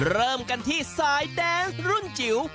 เริ่มกันที่สายแดนส์รุ่นจิ๋ว